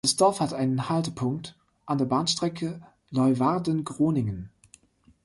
Das Dorf hat einen Haltepunkt an der Bahnstrecke Leeuwarden–Groningen.